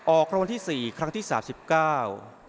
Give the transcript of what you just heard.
ออกรางวัลที่สี่ครั้งที่สามสิบเก้า